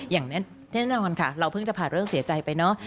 อย่างแน่นอนค่ะเราเพิ่งจะผ่านเรื่องเสียใจไปเนอะ